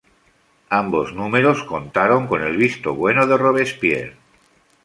Ambos números contaron con el visto bueno de Robespierre.